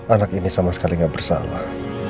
anak ini sama sekali nggak bersalah